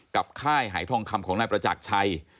ค่ายหายทองคำของนายประจักรชัย